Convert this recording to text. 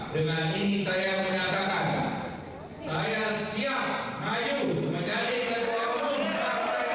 dan ini saya menyatakan saya siap maju mencari sesuatu yang berhubungan dengan partai golkar